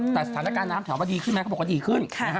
แต่สถานการณ์น้ำถามว่าดีขึ้นไหมเขาบอกว่าดีขึ้น